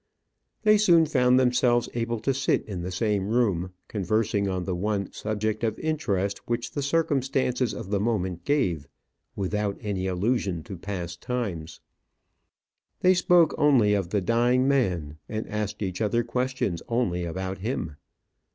They soon found themselves able to sit in the same room, conversing on the one subject of interest which the circumstances of the moment gave, without any allusion to past times. They spoke only of the dying man, and asked each other questions only about him.